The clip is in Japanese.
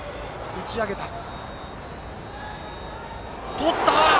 とった！